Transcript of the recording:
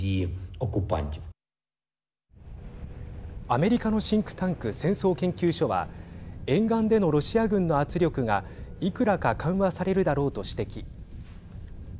アメリカのシンクタンク戦争研究所は沿岸でのロシア軍の圧力がいくらか緩和されるだろうと指摘。